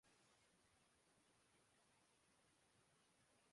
فیصد تبدیلی سال کے اختتام سے ہے